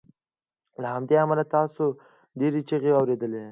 له همدې امله تاسو ډیرې چیغې اوریدې